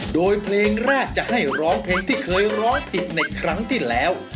โดยเพลงแรกจะให้ร้องเพลงที่เคยร้องผิดในครั้งที่แล้ว